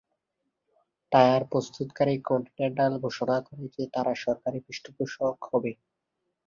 Tyre প্রস্তুতকারী Continental ঘোষণা করে যে তারা সরকারি পৃষ্ঠপোষক হবে।